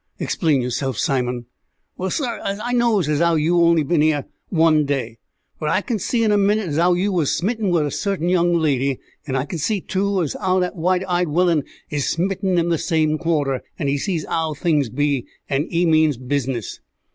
"Explain yourself, Simon." "Well, sir, I knows as 'ow you've only bin yer one day, but I could see in a minit as 'ow you was a smitten with a certain young lady, and I can see, too, as 'ow that white eyed willain is smitten in the same quarter, and he sees 'ow things be, and he means business."